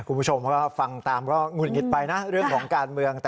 คุณผู้ชมก็ฟังตามก็หงุดหงิดไปนะเรื่องของการเมือง